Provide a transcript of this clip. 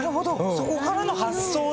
そこからの発想で。